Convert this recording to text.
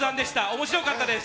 面白かったです。